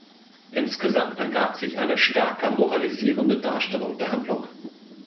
Insgesamt ergab sich eine stärker moralisierende Darstellung der Handlung.